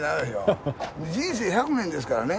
人生１００年ですからね。